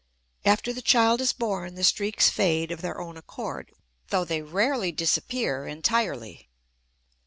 After the child is born the streaks fade of their own accord, though they rarely disappear entirely.